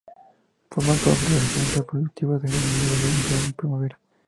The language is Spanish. Forman congregaciones reproductivas en los meses de invierno y primavera.